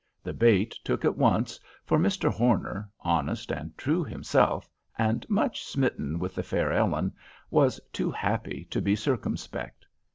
The bait took at once, for Mr. Horner, honest and true himself, and much smitten with the fair Ellen, was too happy to be circumspect.